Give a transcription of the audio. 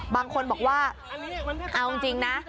บางคนบอกว่าเอาจริงนะ